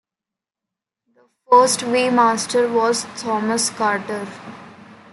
The first Waymaster was Thomas Carter.